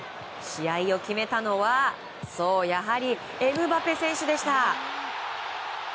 試合を決めたのはやはりエムバペ選手でした。